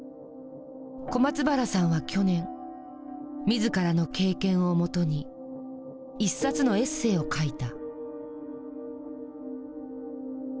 小松原さんは去年自らの経験をもとに一冊のエッセーを書いた。